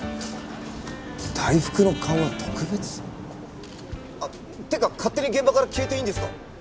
大福の勘は特別。っていうか勝手に現場から消えていいんですか？